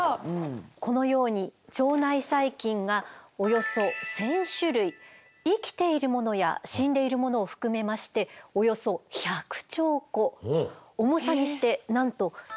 このように腸内細菌がおよそ１，０００種類生きているものや死んでいるものを含めましておよそ１００兆個重さにしてなんとえっ？